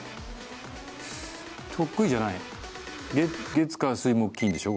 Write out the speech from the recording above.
月火水木金でしょ？